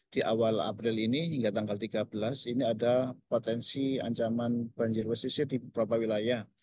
di awal april ini hingga tanggal tiga belas ini ada potensi ancaman banjir pesisir di beberapa wilayah